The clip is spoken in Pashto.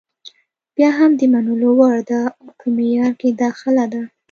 بیا هم د منلو وړ ده او په معیار کې داخله ده.